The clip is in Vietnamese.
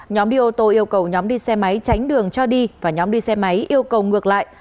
nhóm đi ô tô yêu cầu nhóm đi xe máy tránh đường cho đi và nhóm đi xe máy yêu cầu ngược lại